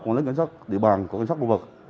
của cảnh sát địa bàn của cảnh sát khu vực